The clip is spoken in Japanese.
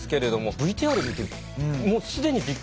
ＶＴＲ見てもう既にびっくりしなかったですか？